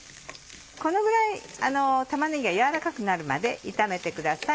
このぐらい玉ねぎが軟らかくなるまで炒めてください。